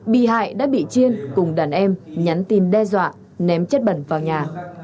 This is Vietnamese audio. bị hại đã bị chiên cùng đàn em nhắn tin đe dọa ném chất bẩn vào nhà